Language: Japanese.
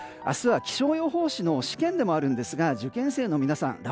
明日は気象予報士の試験でもありますが受験生の皆さん。